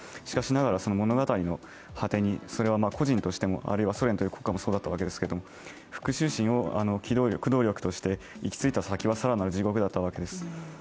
しかしながら、物語の果てに、それは個人としても、あるいはソ連という国家もそうだったわけですけれども復しゅう心を機動力として行き着いた先は、更なる地獄だったわけです。